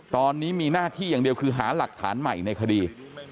ตอนนี้มีหน้าที่อย่างเดียวคือหาหลักฐานใหม่ในคดี